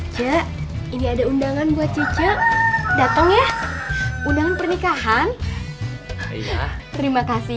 cek ini ada undangan buat cicek datang ya undangan pernikahan terima kasih ya